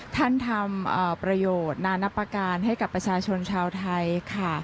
ท่านทำประโยชน์นานับประการให้กับประชาชนชาวไทยค่ะ